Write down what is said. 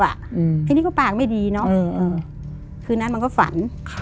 อันนี้ก็ปากไม่ดีคือนั้นมันก็ฝัน